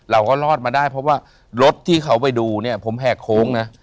รอดมาได้เพราะว่ารถที่เขาไปดูเนี่ยผมแหกโค้งนะ